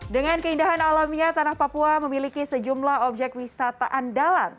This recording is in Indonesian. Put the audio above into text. dengan keindahan alamnya tanah papua memiliki sejumlah objek wisata andalan